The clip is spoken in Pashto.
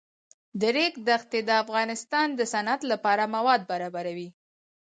د ریګ دښتې د افغانستان د صنعت لپاره مواد برابروي.